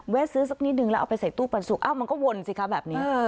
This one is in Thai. ซื้อสักนิดนึงแล้วเอาไปใส่ตู้ปันสุกมันก็วนสิคะแบบนี้